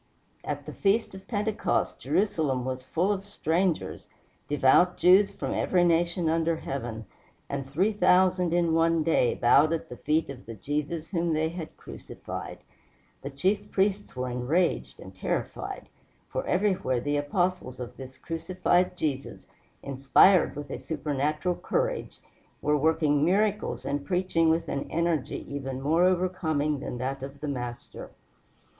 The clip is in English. At the feast of Pentecost Jerusalem was full of strangers, devout Jews from every nation under heaven, and three thousand in one day bowed at the feet of the Jesus whom they had crucified. The chief priests were enraged and terrified, for everywhere the Apostles of this crucified Jesus, inspired with a supernatural courage, were working miracles and preaching with an energy even more overcoming than that of the Master.